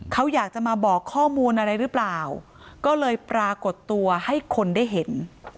เขาอยากจะมาบอกข้อมูลอะไรหรือเปล่าก็เลยปรากฏตัวให้คนได้เห็น